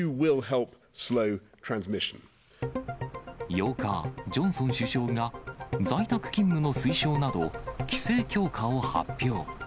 ８日、ジョンソン首相が在宅勤務の推奨など、規制強化を発表。